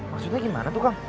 maksudnya gimana tuh kang